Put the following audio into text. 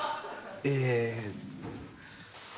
ええ。